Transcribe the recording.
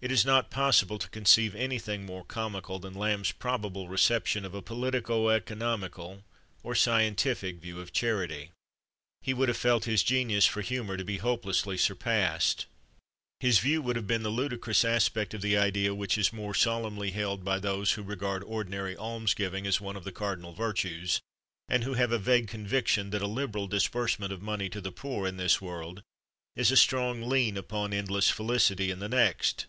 It is not possible to conceive anything more comical than Lamb's probable reception of a politico economical or scientific view of charity. He would have felt his genius for humor to be hopelessly surpassed. His view would have been the ludicrous aspect of the idea which is more solemnly held by those who regard ordinary alms giving as one of the cardinal virtues, and who have a vague conviction that a liberal disbursement of money to the poor in this world is a strong lien upon endless felicity in the next.